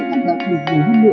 cảm động được nhiều hơn nữa